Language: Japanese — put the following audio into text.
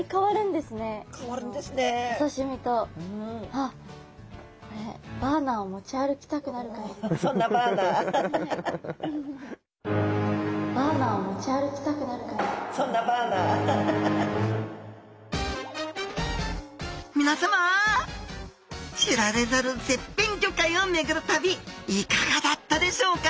あっこれ皆さま知られざる絶品魚介を巡る旅いかがだったでしょうか？